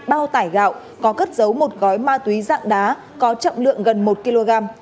bao tải gạo có cất giấu một gói ma túy dạng đá có trọng lượng gần một kg